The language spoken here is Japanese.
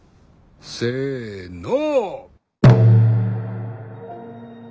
せの！